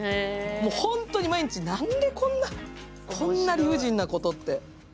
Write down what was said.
ホントに毎日なんでこんな理不尽なことって。